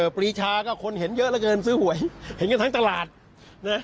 ปรีชาก็คนเห็นเยอะเยอะเยอะเสื้อหวยเห็นกับทางตลาดน่ะ